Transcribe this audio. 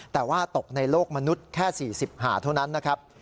แต่ว่าตกในโลกมนุษย์แค่๔๐หาเท่านั้นนะครับ